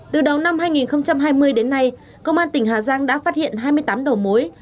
từ đầu năm hai nghìn hai mươi đến nay công an tỉnh hà giang đã phát hiện hai mươi tám đầu mối